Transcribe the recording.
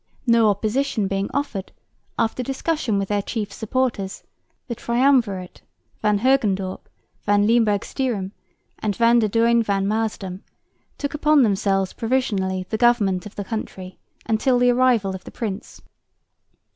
No opposition being offered, after discussion with their chief supporters, the triumvirate, Van Hogendorp, Van Limburg Stirum and Van der Duyn van Maasdam, took upon themselves provisionally the government of the country, until the arrival of the Prince.